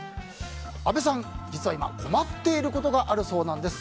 阿部さん、実は今困っていることがあるそうです。